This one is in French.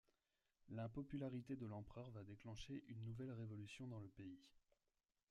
L'impopularité de l'empereur va déclencher une nouvelle révolution dans le pays.